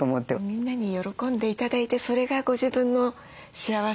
みんなに喜んで頂いてそれがご自分の幸せっていう。